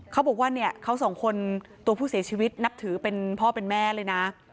เขาบอกว่าเนี่ยเขาสองคนตัวผู้เสียชีวิตนับถือเป็นพ่อเป็นแม่เลยนะ